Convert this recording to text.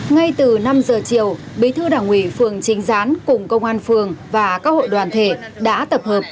ngay từ năm giờ chiều bí thư đảng ủy phường trinh gián cùng công an phường và các hội đoàn thể đã tập hợp